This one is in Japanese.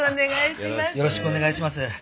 よろしくお願いします。